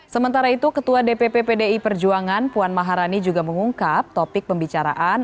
sementara itu ketua dpp pdi perjuangan puan maharani juga mengungkap topik pembicaraan